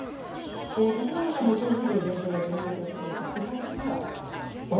立花さんも消費税減税が重要だということですが具体的には？